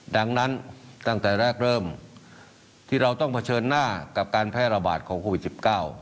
ดังนั้นตั้งแต่แรกเริ่มที่เราต้องเผชิญหน้ากับการแพร่ระบาดของโควิด๑๙